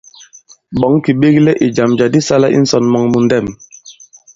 Ɓɔ̌ŋ kì ɓeklɛ ì jàm jǎ di sālā i ǹsɔ̀n mɔŋ mu ndɛ̄m.